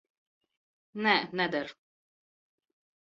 Nē, neder.